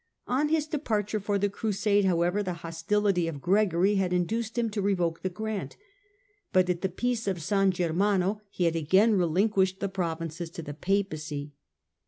On his departure for the Crusade, however, the hostility of Gregory had induced him to revoke the grant, but at the peace of San Germano he had again relinquished the provinces to the Papacy.